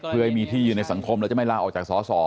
เพื่อให้มีที่อยู่ในสังคมแล้วจะไม่ลาออกจากสอสอ